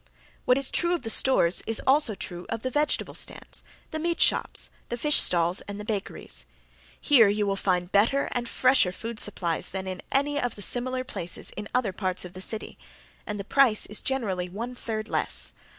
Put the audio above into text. What is true of the stores is also true of the vegetable stands, the meat shops, the fish stalls, and bakeries. Here you will find better and fresher food supplies than in any of the similar places in other parts of the city, and the price is generally one third less.